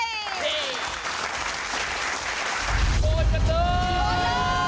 กลัวขจรมว้เลย